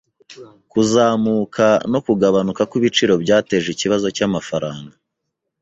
Kuzamuka no kugabanuka kw'ibiciro byateje ikibazo cy'amafaranga.